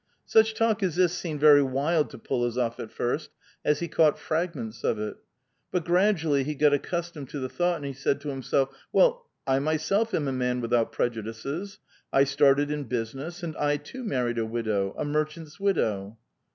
Such talk as this seemed very wild to P6lozof at fii st, as he caught fragments of it. But gradually he got accustomed to the ihouofht, and he said to himself, " Well, I mvself am a man without prejudices. I started in business, and I, too, married a widow, a merchant's widow."